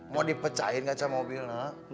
mau dipecahin aja mobilnya